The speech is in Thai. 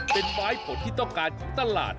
เป็นไม้ผลต้องการอยู่ตลาด